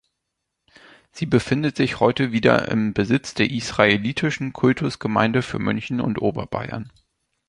Sie befindet sich heute wieder im Besitz der Israelitischen Kultusgemeinde für München und Oberbayern.